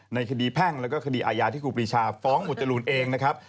ในคดีแพ่งแล้วก็คดีอาญาที่ครูปรีชาฟ้องหมวดจรูนเองนะครับ